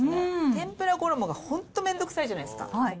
天ぷら衣が本当面倒くさいじゃないですか。